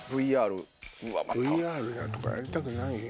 ＶＲだとかやりたくない。